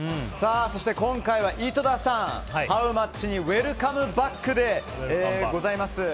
そして、今回は井戸田さんハウマッチにウェルカムバックでございます。